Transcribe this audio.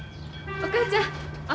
お母ちゃん